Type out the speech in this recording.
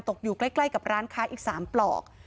ตกอยู่ใกล้กับร้านค้าอีก๓ปลอก